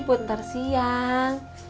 buat ntar siang